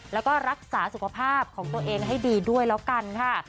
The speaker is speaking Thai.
แล้วก็รักษาสุขภาพของตัวเองให้ดีด้วยแล้วกันค่ะ